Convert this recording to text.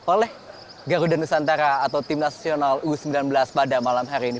oleh garuda nusantara atau tim nasional u sembilan belas pada malam hari ini